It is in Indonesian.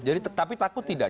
jadi tetapi takut tidak